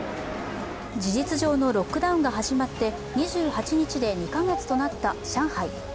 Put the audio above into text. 事実上のロックダウンが始まって２８日で２カ月となった上海。